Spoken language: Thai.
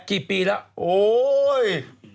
กี่ปีแล้ว